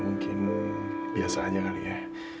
mungkin biasa aja kali ya